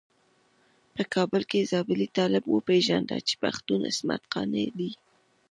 په کابل کې زابلي طالب وپيژانده چې پښتون عصمت قانع دی.